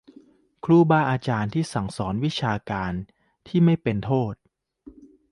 ครูบาอาจารย์ที่สอนวิชาการที่ไม่เป็นโทษ